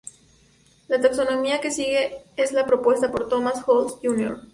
La taxonomía que sigue es la propuesta por Thomas Holtz, Jr.